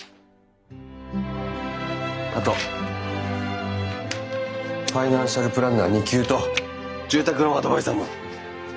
あとファイナンシャルプランナー２級と住宅ローンアドバイザーも！